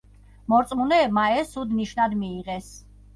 მორწმუნეებმა ეს ცუდ ნიშნად მიიღეს.